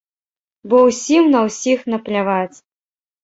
Бо усім на ўсіх напляваць.